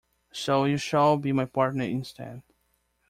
So you shall be my partner instead.